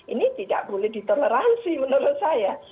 ini tidak boleh ditoleransi menurut saya